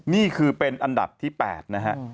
นี่คือเป็นอันดับที่๘นะฮะ